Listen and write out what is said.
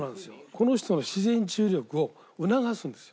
この人の自然治癒力を促すんです。